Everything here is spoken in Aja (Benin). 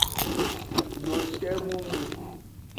Dote mumu.